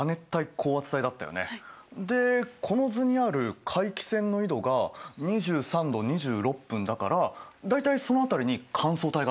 でこの図にある回帰線の緯度が２３度２６分だから大体その辺りに乾燥帯があるってことか。